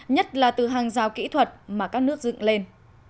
nhất là từ hàng rào kỹ thuật mà các nước dựng lên